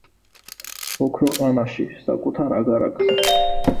ოქროყანაში, საკუთარ აგარაკზე.